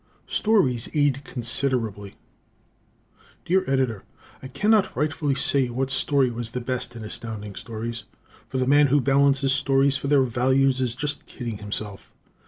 "Stories Aid Considerably" Dear Editor: I cannot rightfully say what story was the best in Astounding Stories. For the man who balances stories for their values is just kidding himself.